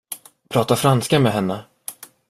Prata franska med henne.